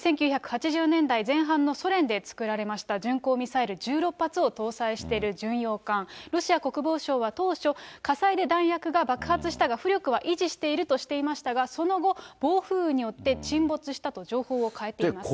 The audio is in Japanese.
１９８０年代前半のソ連で作られました、巡航ミサイル１６発を搭載してる巡洋艦、ロシア国防省は、当初、火災で弾薬が爆発したが浮力は維持しているとしていましたが、その後、暴風雨によって沈没したと情報を変えています。